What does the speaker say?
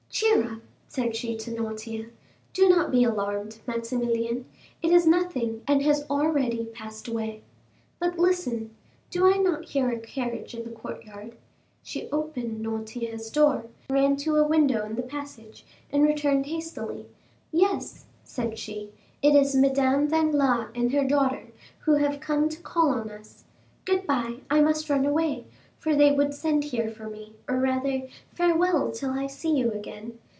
"Cheer up," said she to Noirtier. "Do not be alarmed, Maximilian; it is nothing, and has already passed away. But listen! Do I not hear a carriage in the courtyard?" She opened Noirtier's door, ran to a window in the passage, and returned hastily. "Yes," said she, "it is Madame Danglars and her daughter, who have come to call on us. Good bye;—I must run away, for they would send here for me, or, rather, farewell till I see you again.